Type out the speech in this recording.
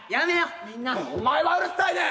お前はうるさいねん！